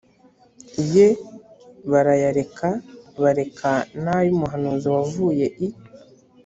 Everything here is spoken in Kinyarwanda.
ye barayareka bareka n ay umuhanuzi wavuye i